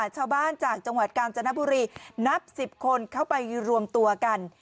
จากจังหวัดกาญจนบุรีนับ๑๐คนเข้าไปรวมตัวกัน